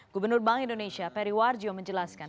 gubernur bank indonesia perry warjio menjelaskan